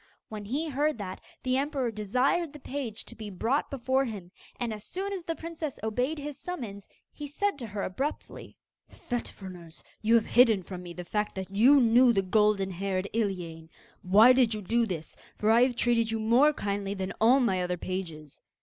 When he heard that, the emperor desired the page to be brought before him, and, as soon as the princess obeyed his summons, he said to her abruptly: 'Fet Fruners, you have hidden from me the fact that you knew the golden haired Iliane! Why did you do this? for I have treated you more kindly than all my other pages.